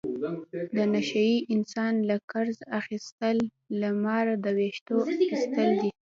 د نشه یي انسان نه قرض اخستل له ماره د وېښتو ایستل دي.